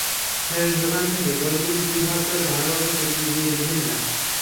শেষ দোকান থেকে বইগুলি দুই ভাগ করে ভালোভাবে সুতলি দিয়ে বেঁধে নিলাম।